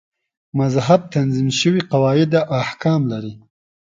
مذهب تنظیم شوي قواعد او احکام لري.